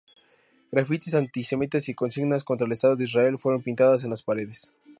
Grafitis antisemitas y consignas contra el Estado de Israel fueron pintadas en las paredes.